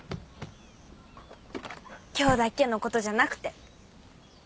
今日だけのことじゃなくて。